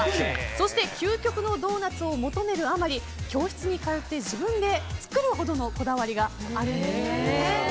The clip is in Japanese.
そして究極のドーナツを求めるあまり教室に通って自分で作るほどのこだわりがあるんですよね。